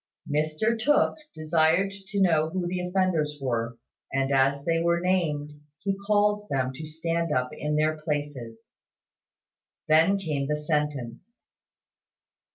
Mr Tooke desired to know who the offenders were; and as they were named, he called to them to stand up in their places. Then came the sentence.